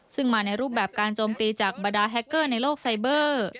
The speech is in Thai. ซึ่งมาในรูปแบบการโจมตีจากบรรดาแฮคเกอร์ในโลกไซเบอร์